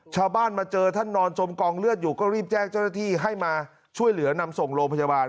ชาวบ้านมาเจอท่านนอนจมกองเลือดอยู่ก็รีบแจ้งเจ้าหน้าที่ให้มาช่วยเหลือนำส่งโรงพยาบาล